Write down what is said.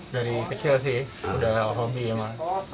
dari kecil sih udah hobi ya mas